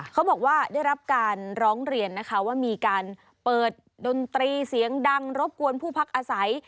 เขาบอกว่าได้รับการร้องเรียนนะคะว่ามีการเปิดดนตรีเสียงดังรบกวนผู้พักอาศัย